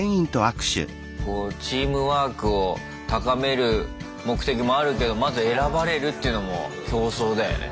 こうチームワークを高める目的もあるけどまず選ばれるっていうのも競争だよね。